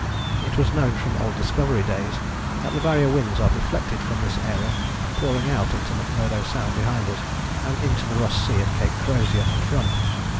It was known from old Discovery days that the Barrier winds are deflected from this area, pouring out into McMurdo Sound behind us, and into the Ross Sea at Cape Crozier in front.